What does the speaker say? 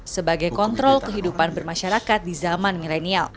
sebagai kontrol kehidupan bermasyarakat di zaman milenial